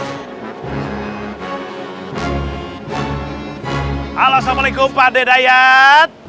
halo assalamualaikum pak d dayat